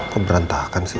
kok berantakan sih